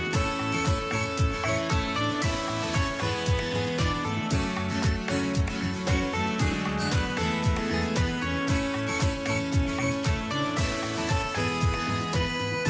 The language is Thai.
โปรดติดตามตอนต่อไป